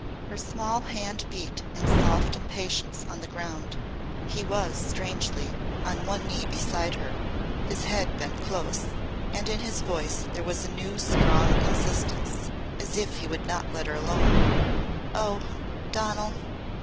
Her small hand beat in soft impatience on the ground. He was strangely on one knee beside her, his head bent close, and in his voice there was a new strong insistence as if he would not let her alone Oh! Donal!